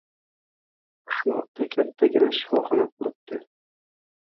Qishloqda kattagina shifoxona quribdi